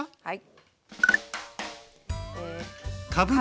はい。